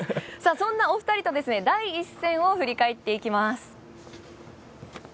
そんなお二人と第１戦を振り返ります。